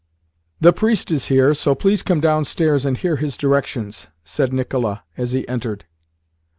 "The priest is here, so please come downstairs and hear his directions," said Nicola as he entered.